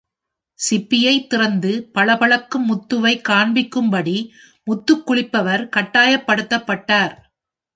சிப்பியைத் திறந்து பளபளக்கும் முத்துவை காண்பிக்கும்படி முத்துக்குளிப்பவர் கட்டாயப்படுத்தப்பட்டார்.